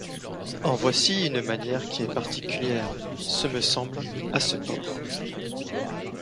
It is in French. En voici une manière qui est particulière, ce me semble, à ce port.